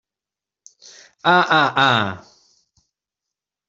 Ah, ah, ah!